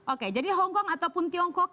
oke jadi hongkong ataupun tiongkok